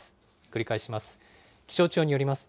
繰り返します。